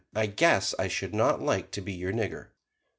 "I guess I should not like to be your nigger!"